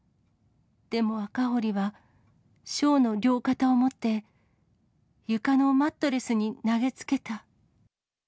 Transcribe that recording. でも赤堀は、翔の両肩を持って、床のマットレスに投げつけた。